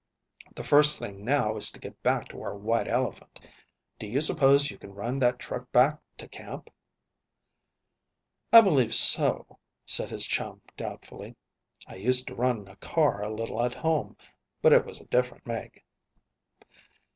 The first thing now is to get back to our white elephant. Do you suppose you can run that truck back to camp?" "I believe so," said his chum doubtfully. "I used to run a car a little at home, but it was a different make."